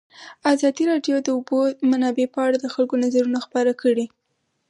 ازادي راډیو د د اوبو منابع په اړه د خلکو نظرونه خپاره کړي.